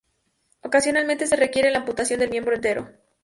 Ocasionalmente se requiere la amputación del miembro entero.